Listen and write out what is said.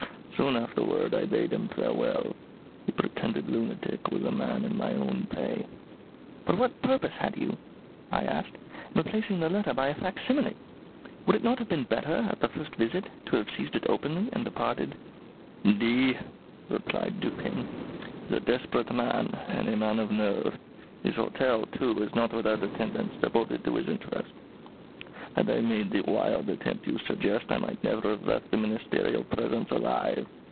Soon afterward I bade him farewell. The pretended lunatic was a man in my own pay." "But what purpose had you," I asked, "in replacing the letter by a fac simile? Would it not have been better, at the first visit, to have seized it openly and departed?" "D ," replied Dupin, "is a desperate man, and a man of nerve. His hotel, too, is not without attendants devoted to his interests. Had I made the wild attempt you suggest, I might never have left the ministerial presence alive.